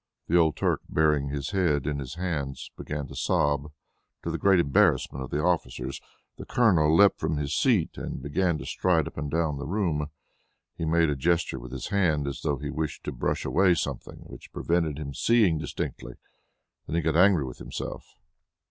The old Turk, burying his head in his hands, began to sob, to the great embarrassment of the officers. The Colonel leaped from his seat, and began to stride up and down the room. He made a gesture with his hand, as though he wished to brush away something which prevented him seeing distinctly; then he got angry with himself.